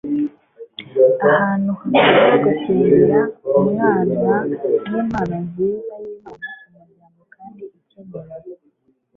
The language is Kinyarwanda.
ahantu hakunda gusengera. umwana nimpano nziza yimana kumuryango kandi ikeneye